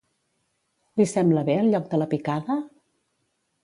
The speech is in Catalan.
Li sembla bé el lloc de la picada?